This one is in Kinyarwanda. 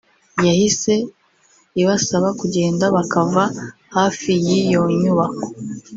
yahise ibasaba kugenda bakava hafi y’iyo nyubako